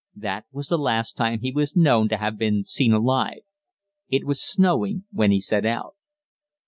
That was the last time he was known to have been seen alive. It was snowing when he set out.